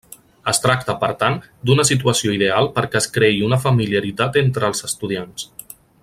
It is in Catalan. Es tracta, per tant, d'una situació ideal perquè es creï una familiaritat entre els estudiants.